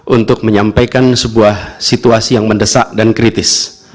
untuk menyampaikan sebuah situasi yang mendesak dan kritis